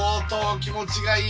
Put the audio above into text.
気持ちいい！